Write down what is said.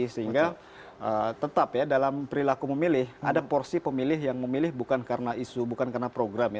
sehingga tetap ya dalam perilaku memilih ada porsi pemilih yang memilih bukan karena isu bukan karena program ya